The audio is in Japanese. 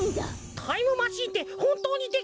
タイムマシーンってほんとうにできるんだな。